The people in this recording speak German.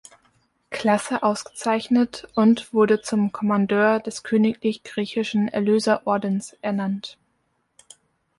Klasse ausgezeichnet und wurde zum Commandeur des königlich-griechischen Erlöser-Ordens ernannt.